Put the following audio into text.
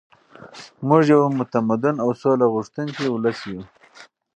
موږ یو متمدن او سوله غوښتونکی ولس یو.